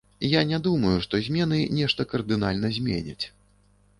Я не думаю, што змены нешта кардынальна зменяць.